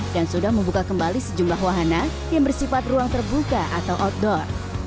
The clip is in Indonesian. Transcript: dan sudah membuka kembali sejumlah wahana yang bersifat ruang terbuka atau outdoor